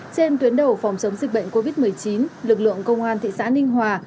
trên tuyến đầu phòng chống dịch bệnh covid một mươi chín lực lượng công an thị xã ninh hòa